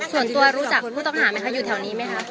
ส่วนตัวรู้จักผู้ต้องหาไหมคะอยู่แถวนี้ไหมคะ